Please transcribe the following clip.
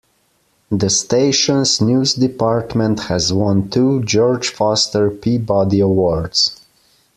The station's news department has won two George Foster Peabody awards.